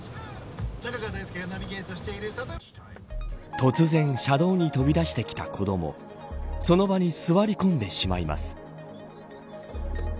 突然車道に飛び出してきた子どもその場に座り込んでしまいます。